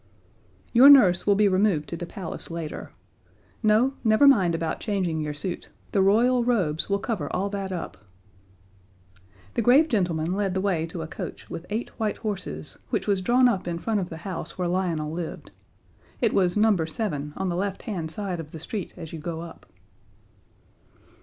"Your Nurse will be removed to the Palace later. No, never mind about changing your suit; the Royal robes will cover all that up." The grave gentlemen led the way to a coach with eight white horses, which was drawn up in front of the house where Lionel lived. It was No. 7, on the left hand side of the street as you go up.